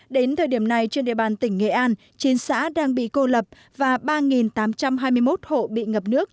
đến thời điểm này trên địa bàn tỉnh nghệ an chín xã đang bị cô lập và ba tám trăm hai mươi một hộ bị ngập nước